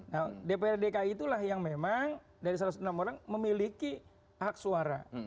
nah dprd dki itulah yang memang dari satu ratus enam orang memiliki hak suara